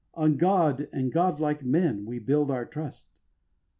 On God and Godlike men we build our trust.